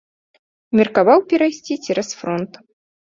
Меркаваў перайсці цераз фронт.